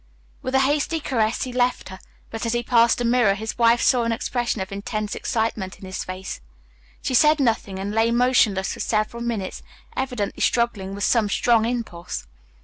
With a hasty caress he left her, but as he passed a mirror, his wife saw an expression of intense excitement in his face. She said nothing, and lay motionless for several minutes evidently struggling with some strong impulse.